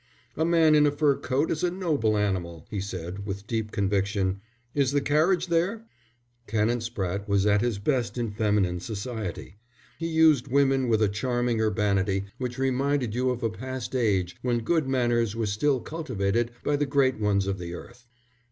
"A man in a fur coat is a noble animal," he said, with deep conviction. "Is the carriage there?" Canon Spratte was at his best in feminine society. He used women with a charming urbanity which reminded you of a past age when good manners were still cultivated by the great ones of the earth.